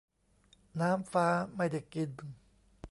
'น้ำฟ้าไม่ได้กิน